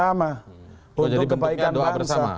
bersama untuk kebaikan bangsa